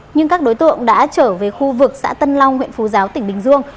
nhưng các đối tượng đã trở về khu vực xã tân long huyện phú giáo tỉnh bình dương